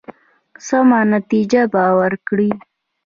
سمه نتیجه به ورکړي.